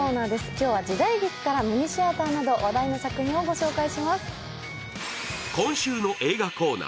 今日は時代劇からミニシアターなど話題の作品をご紹介します。